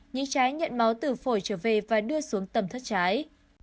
những trái nhận máu từ phổi trở về và đưa xuống tầm thất trái